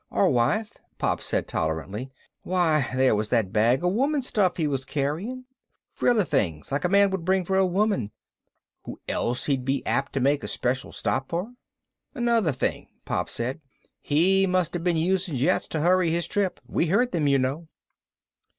"Or wife," Pop said tolerantly. "Why, there was that bag of woman's stuff he was carrying, frilly things like a man would bring for a woman. Who else'd he be apt to make a special stop for? "Another thing," Pop said. "He must have been using jets to hurry his trip. We heard them, you know."